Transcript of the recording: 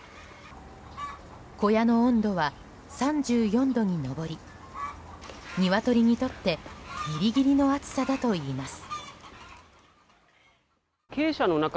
小屋の温度は３４度に上りニワトリにとってギリギリの暑さだといいます。